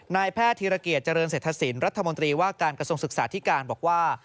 นายแพทย์ธีรเกียจเจริญเศรษฐศิลป์รัฐมนตรีว่าการกระทรวงศึกษาธิการบอกว่า